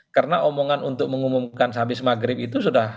karena omongan untuk mengumumkan sehabis maghrib itu sudah